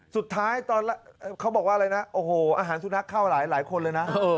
สุดท้ายเขาบอกว่าอะไรนะอาหารสุนัขเข้ามาหลายคนเลยนะ